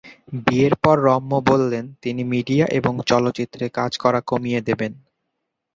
বিয়ের পর রম্য বলেন যে তিনি মিডিয়া এবং চলচ্চিত্রে কাজ করা কমিয়ে দেবেন।